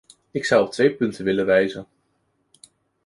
Ik zou op twee punten willen wijzen.